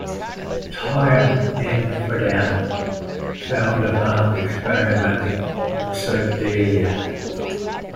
Time In for Them, found the band experimenting with psychedelia.